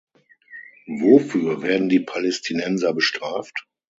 Wofür werden die Palästinenser bestraft?